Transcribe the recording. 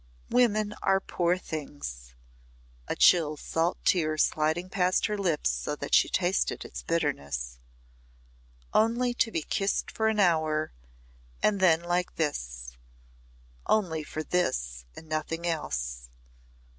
"Women are poor things" a chill salt tear sliding past her lips so that she tasted its bitterness "only to be kissed for an hour, and then like this only for this and nothing else.